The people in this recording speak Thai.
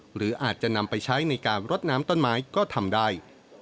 หรืออาจจะนำไปใช้ในการรดน้ำต้นไม้ก็ทำได้